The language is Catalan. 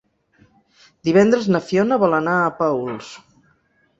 Divendres na Fiona vol anar a Paüls.